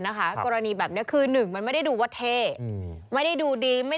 นะคะกรณีแบบนี้คือหนึ่งมันไม่ได้ดูว่าเท่อืมไม่ได้ดูดีไม่